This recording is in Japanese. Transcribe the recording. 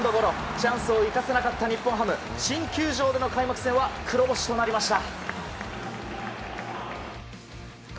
チャンスを生かせなかった日本ハム、新球場での開幕戦は黒星となりました。